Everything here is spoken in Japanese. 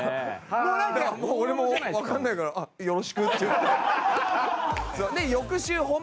もう俺もわかんないから「あっよろしく」って言って。